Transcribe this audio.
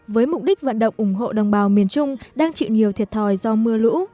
với mục đích vận động ủng hộ đồng bào miền trung đang chịu nhiều thiệt thòi do mưa lũ